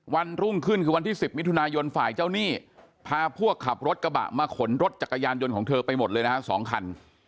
วันรุ่งขึ้นคือวันที่๑๐มิถุนายนฝ่ายเจ้าหนี้พาพวกขับรถกระบะมาขนรถจักรยานยนต์ของเธอไปหมดเลยนะฮะ๒คัน